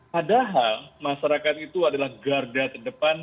padahal masyarakat itu adalah garda terdepan